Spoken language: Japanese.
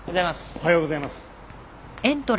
おはようございます。